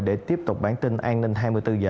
để tiếp tục bản tin an ninh hai mươi bốn h